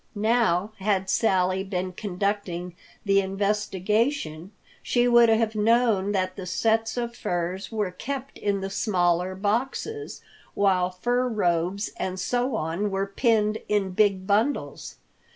Now, had Sally been conducting the investigation, she would have known that the sets of furs were kept in the smaller boxes, while fur robes and so on were pinned in big bundles.